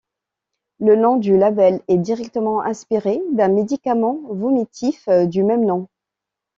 Le nom du label est directement inspiré d'un médicament vomitif du même nom.